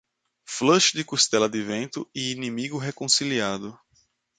Flush de costela de vento e inimigo reconciliado.